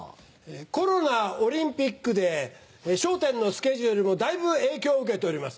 コロナオリンピックで『笑点』のスケジュールもだいぶ影響を受けております。